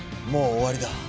もう終わりだ。